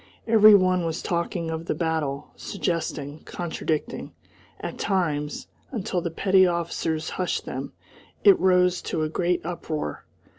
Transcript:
Every one was talking of the battle, suggesting, contradicting at times, until the petty officers hushed them, it rose to a great uproar.